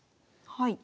はい。